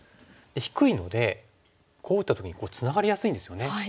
低いのでこう打った時にツナがりやすいんですよね。